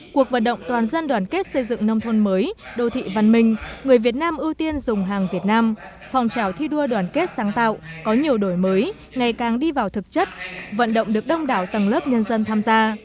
cuộc vận động toàn dân đoàn kết xây dựng nông thôn mới đô thị văn minh người việt nam ưu tiên dùng hàng việt nam phòng trào thi đua đoàn kết sáng tạo có nhiều đổi mới ngày càng đi vào thực chất vận động được đông đảo tầng lớp nhân dân tham gia